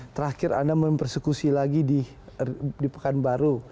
terakhir anda mempersekusi lagi di pekanbaru